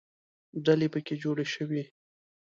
ډلې پکې جوړې شوې.